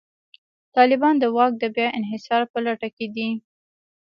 طالبان د واک د بیا انحصار په لټه کې دي.